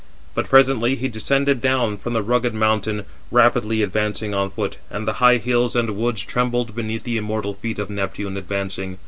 But presently he descended down, from the rugged mountain, rapidly advancing on foot, and the high hills and woods trembled beneath the immortal feet of Neptune, advancing.